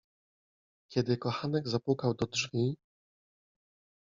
Kiedy kochanek zapukał do drzwi…